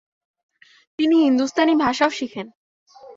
তিনি হিন্দুস্তানি ভাষাও শিখেন।